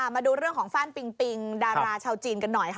มาดูเรื่องของฟ่านปิงปิงดาราชาวจีนกันหน่อยค่ะ